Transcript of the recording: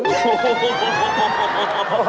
โอ้โห